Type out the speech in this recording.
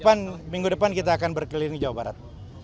kapan minggu depan kita akan berkeliling jawa barat